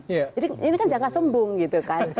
jadi ini kan jaga sembung gitu kan